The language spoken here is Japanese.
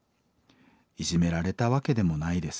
いじめられたわけでもないです。